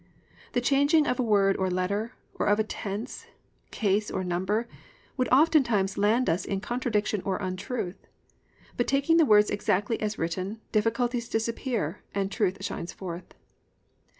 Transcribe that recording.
The changing of a word or letter, or of a tense, case or number, would oftentimes land us in contradiction or untruth, but taking the words exactly as written, difficulties disappear and truth shines forth.